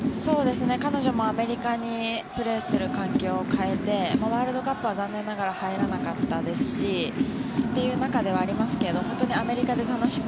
彼女もアメリカにプレーする環境を変えてワールドカップは残念ながら入らなかったですしという中ではありますがアメリカで楽しく